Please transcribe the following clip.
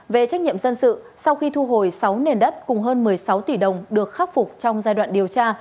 về trách nhiệm dân sự sau khi thu hồi sáu nền đất cùng hơn một mươi sáu tỷ đồng được khắc phục trong giai đoạn điều tra